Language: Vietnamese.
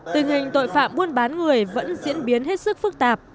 tình hình tội phạm buôn bán người vẫn diễn biến hết sức phức tạp